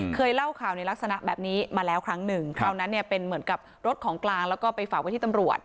เคยเล่าข่าวในลักษณะแบบนี้มาแล้วครั้งหนึ่งคราวนั้นเนี่ยเป็นเหมือนกับรถของกลางแล้วก็ไปฝากไว้ที่ตำรวจ